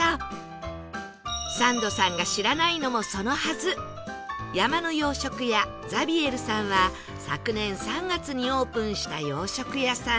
サンドさんが知らないのもそのはず山ノ洋食屋ざびえるさんは昨年３月にオープンした洋食屋さん